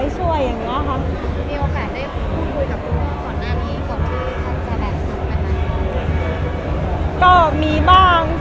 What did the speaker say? สวัสดีค่ะ